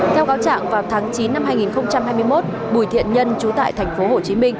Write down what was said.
theo cáo trạng vào tháng chín năm hai nghìn hai mươi một bùi thiện nhân trú tại tp hcm